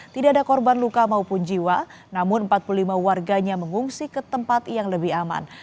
tidak ada korban luka maupun jiwa namun empat puluh lima warganya mengungsi ke tempat yang lebih aman